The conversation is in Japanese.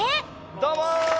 どうも！